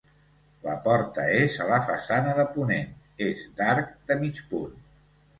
La porta és a la façana de ponent; és d'arc de mig punt.